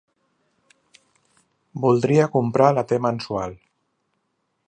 Voldria comprar la Te-mensual.